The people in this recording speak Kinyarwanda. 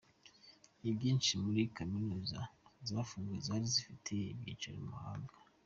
Inyinshi muri Kaminuza zafunzwe zari zifite ibyicaro mu mahanga.